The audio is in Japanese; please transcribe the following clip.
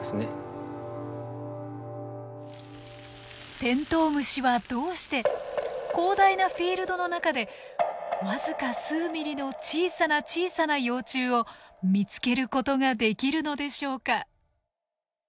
テントウムシはどうして広大なフィールドの中で僅か数ミリの小さな小さな幼虫を見つけることができるのでしょうか？